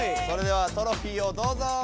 それではトロフィーをどうぞ。